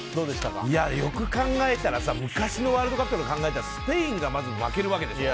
よく考えたらさ、昔のワールドカップ考えたらスペインが負けるわけでしょ。